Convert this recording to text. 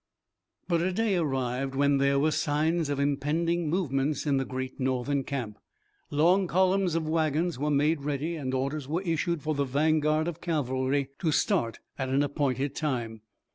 But a day arrived when there were signs of impending movements in the great Northern camp. Long columns of wagons were made ready and orders were issued for the vanguard of cavalry to start at an appointed time.